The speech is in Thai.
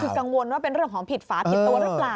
คือกังวลว่าเป็นเรื่องของผิดฝาผิดตัวหรือเปล่า